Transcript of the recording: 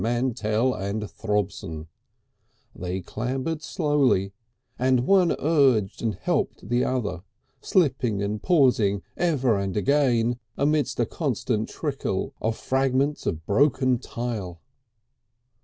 Mantell and Throbson's. They clambered slowly and one urged and helped the other, slipping and pausing ever and again, amidst a constant trickle of fragments of broken tile.